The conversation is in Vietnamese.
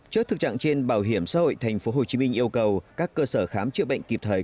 trước thực trạng trên bảo hiểm xã hội tp hcm yêu cầu các cơ sở khám chữa bệnh kịp thời